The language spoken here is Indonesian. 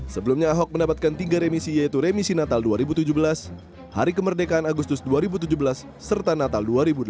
sebelumnya ahok mendapatkan tiga remisi yaitu remisi natal dua ribu tujuh belas hari kemerdekaan agustus dua ribu tujuh belas serta natal dua ribu delapan belas